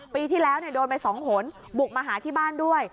ปีที่แล้วโดนไป๒หนบุกมาหาที่บ้านด้วย